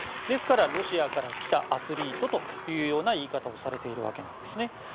ですから、ロシアから来たアスリートという言い方をされているわけなんですね。